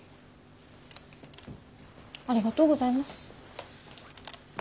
ありがとうございます。